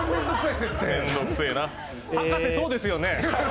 博士、そうですよね？